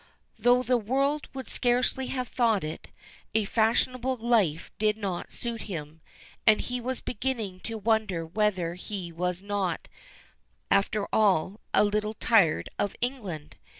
Though the world would scarcely have thought it, a fashionable life did not suit him, and he was beginning to wonder whether he was not, after all, a little tired of England.